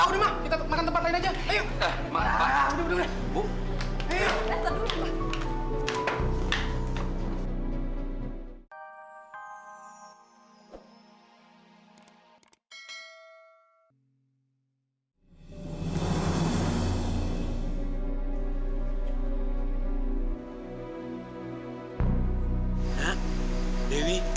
cukup cukup cukup